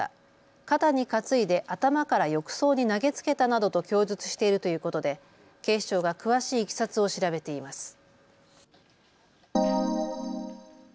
肩に担いで頭から浴槽に投げつけたなどと供述しているということで警視庁が詳しいいきさつを調べています。